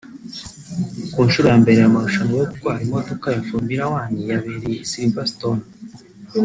Ku nshuro ya mbere amarushanwa yo gutwara imodoka ya Formula One yabereye I Silverstone